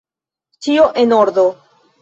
Ĉio en ordo!